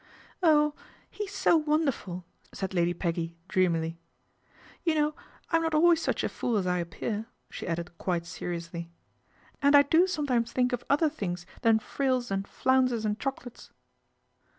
Oh ! he's so wonderful," said Lady Peggy eamily. ' You know I'm not always such a fool I appear," she added quite seriously, " and I o sometimes think of other things than frills and >unces and chocolates."